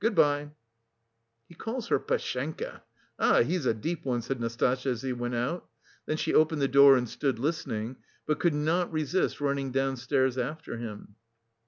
Good bye!" "He calls her Pashenka! Ah, he's a deep one!" said Nastasya as he went out; then she opened the door and stood listening, but could not resist running downstairs after him.